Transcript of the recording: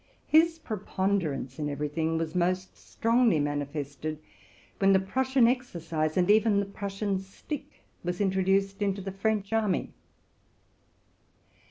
His preponderance in every thing was most strongly manifested when the Prussian exercise and even the Prussian stick was introduced into the French army.